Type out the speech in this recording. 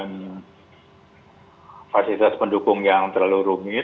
tidak membutuhkan fasilitas pendukung yang terlalu rumit